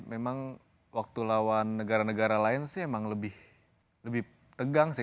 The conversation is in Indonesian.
memang waktu lawan negara negara lain sih emang lebih tegang sih